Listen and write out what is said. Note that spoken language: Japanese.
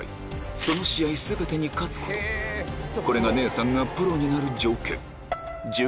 その試合全てに勝つことこれが姉さんがプロになる条件